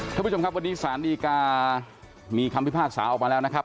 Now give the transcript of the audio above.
ท่านผู้ชมครับวันนี้สารดีกามีคำพิพากษาออกมาแล้วนะครับ